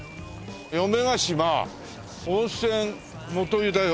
「嫁ヶ島温泉元湯」だよ。